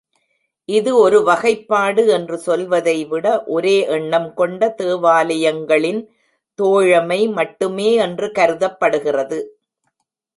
இது ஒரு வகைப்பாடு என்று சொல்வதை விட, ஒரே எண்ணம் கொண்ட தேவாலயங்களின் தோழமை மட்டுமே என்று கருதப்படுகிறது.